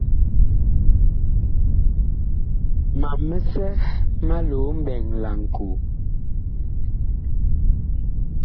Mam misɛ ma loo mɓɛɛŋ laŋkoo.